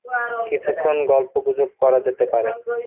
কিছুক্ষণ গল্পগুজব করা যেতে পারে।